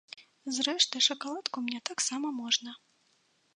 Зрэшты, шакаладку мне таксама можна!